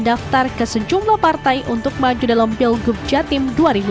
dan daftar ke sejumlah partai untuk maju dalam pilgub jatim dua ribu delapan belas